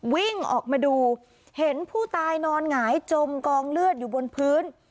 วิ่งออกมาดูเห็นผู้ตายนอนหงายจมกองเลือดอยู่บนพื้น